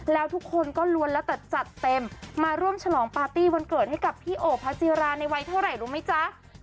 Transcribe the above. แล้วทุกคนก็ล้วนแล้วแต่จัดเต็มมาร่วมฉลองปาร์ตี้วันเกิดให้กับพี่โอพระจิราในวัยเท่าไหร่รู้ไหมจ๊ะ